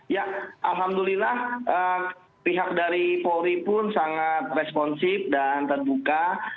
ya alhamdulillah pihak dari polri pun sangat responsif dan terbuka